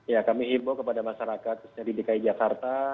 ya kami himpuk kepada masyarakat di dki jakarta